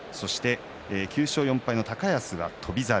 ９勝４敗の高安が翔猿。